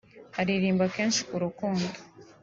aririmba kenshi k’urukundo